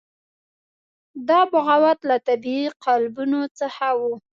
دا بغاوت له طبیعي قالبونو څخه وو.